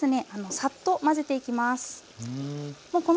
サッと混ぜていきます。